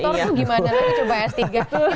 dokter tuh gimana kita coba s tiga